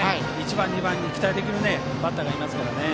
１番、２番に期待できるバッターいますからね。